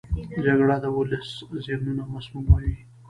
جګړه د ولس ذهنونه مسموموي